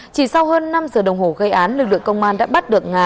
chỉ sau hơn năm giờ đồng hồ gây án lực lượng công an đã bắt được nga